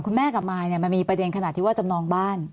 คุณแม่กับมายมันมีประเด็นขนาดที่ว่าจำนองบ้าน